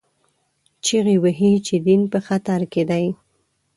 چیغې وهي چې دین په خطر کې دی